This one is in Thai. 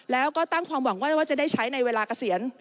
แล้วก็ตั้งความหวังว่าจะได้ใช้ในเวลาเกษียณ